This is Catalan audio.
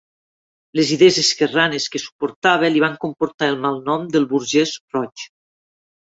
Les idees esquerranes que suportava li van comportar el malnom d'"El burgés roig".